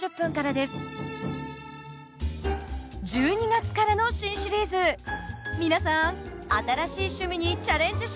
１２月からの新シリーズ皆さん新しい趣味にチャレンジしませんか？